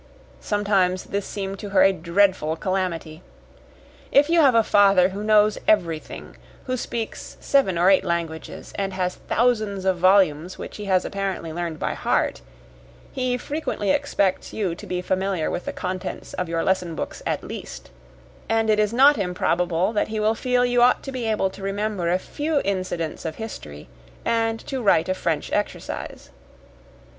Sometimes this seemed to her a dreadful calamity. If you have a father who knows everything, who speaks seven or eight languages, and has thousands of volumes which he has apparently learned by heart, he frequently expects you to be familiar with the contents of your lesson books at least; and it is not improbable that he will feel you ought to be able to remember a few incidents of history and to write a French exercise.